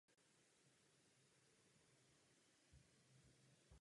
Na konci šedesátých let Grant opustil časopis "Life" a začal produkovat vzdělávací dokumenty.